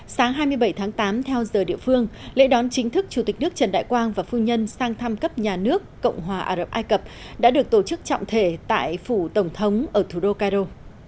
sáng hai mươi bảy tháng tám theo giờ địa phương lễ đón chính thức chủ tịch nước trần đại quang và phu nhân sang thăm cấp nhà nước cộng hòa ả rập ai cập đã được tổ chức trọng thể tại phủ tổng thống ở thủ đô cairo